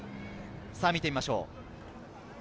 見てみましょう。